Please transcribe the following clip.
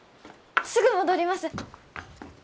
すぐ戻ります。